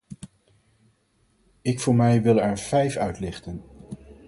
Ik voor mij wil er vijf uitlichten.